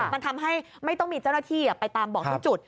มันทำให้ไม่ต้องมีเจ้าหน้าที่ไปตามบอกทุกจุด